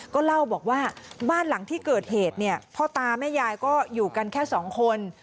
ก็เล่าบอกว่าบ้านหลังที่เกิดเหตุเนี่ยพ่อตาแม่ยายก็อยู่กันแค่สองคน